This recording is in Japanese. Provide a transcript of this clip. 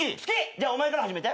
じゃあお前から始めて。